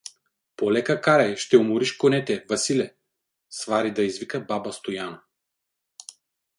Полека карай, ще умориш конете, Василе! — свари да извика баба Стояна.